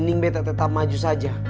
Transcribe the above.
ning bete tetap maju saja